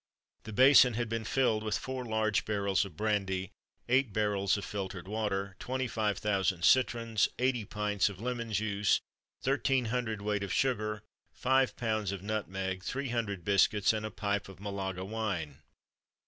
The basin had been filled with four large barrels of brandy, eight barrels of filtered water, twenty five thousand citrons, eighty pints of lemon juice, thirteen hundred weight of sugar, five pounds of nutmeg, three hundred biscuits, and a pipe of Malaga wine.